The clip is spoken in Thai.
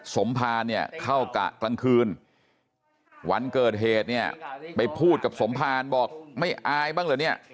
สมภารเนี่ยเข้ากะกลางคืนวันเกิดเหตุเนี่ยไปพูดกับสมภารบอกไม่อายบ้างเหรอเนี่ย